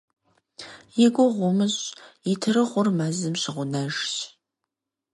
И гугъу умыщӀ, итырыгъур мэзым щыгъунэжщ».